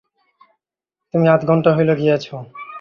তুমি আধ ঘণ্টা হইল গিয়াছ।